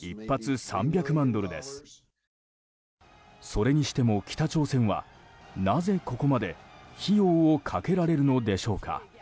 それにしても北朝鮮はなぜ、ここまで費用をかけられるのでしょうか。